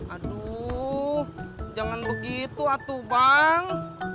aduh jangan begitu atubang